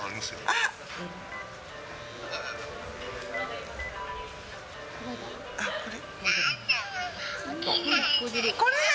あっ、これ。